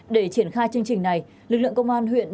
để triển khai chương trình này lực lượng công an huyện